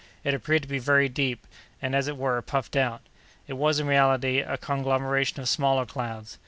It appeared to be very deep, and, as it were, puffed out. It was, in reality, a conglomeration of smaller clouds.